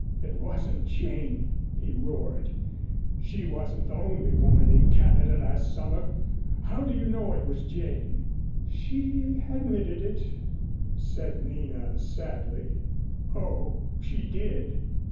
"It wasn't Jane," he roared. "She wasn't the only woman in Canada last summer. How do you know it was Jane?" "She admitted it," said Nina sadly. "Oh, she did!